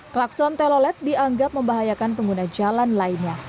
klakson telolet dianggap membahayakan pengguna jalan lainnya